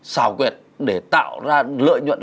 xảo quyệt để tạo ra lợi nhuận